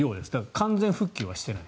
完全復旧はしていない。